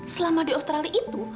selama di australia itu